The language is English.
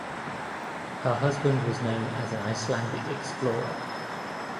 Her husband was known as an Icelandic explorer.